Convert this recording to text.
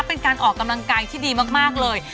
เป็นการออกกำลังกายที่ดีมากเลย